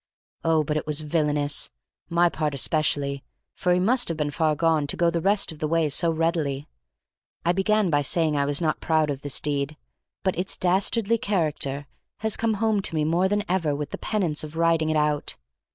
Oh, but it was villainous, my part especially, for he must have been far gone to go the rest of the way so readily. I began by saying I was not proud of this deed, but its dastardly character has come home to me more than ever with the penance of writing it out.